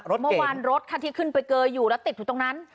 รถเก่งค่ะเมื่อวานรถที่ขึ้นไปเกลออยู่แล้วติดถึงตรงนั้น